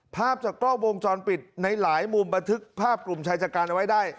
ภาพจากกล้องวงจรปิดในหลายมุมบันทึกภาพกลุ่มชายจัดการเอาไว้ได้